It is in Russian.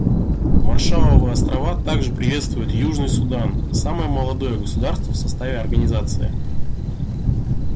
Маршалловы Острова также приветствуют Южный Судан — самое молодое государство в составе Организации.